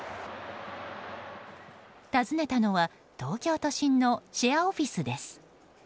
訪ねたのは東京都心のシェアオフィスです。